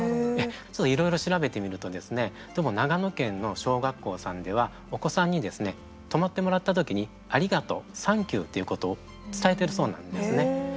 いろいろ調べてみると例えば長野県の小学校さんではお子さんに止まってもらったときにありがとう、サンキューということを伝えてるそうなんですね。